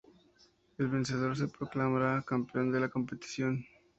El vencedor se proclamará campeón de la competición.